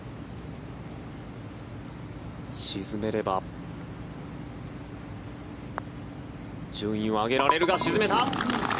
沈めれば順位を上げられるが沈めた！